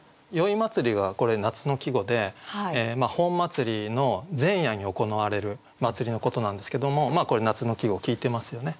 「宵祭り」がこれ夏の季語で本祭りの前夜に行われる祭りのことなんですけどもこれ夏の季語効いてますよね。